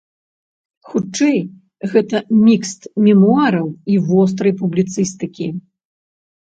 Хутчэй, гэта мікст мемуараў і вострай публіцыстыкі.